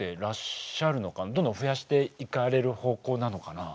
どんどん増やしていかれる方向なのかな？